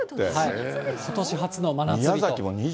ことし初の真夏日と。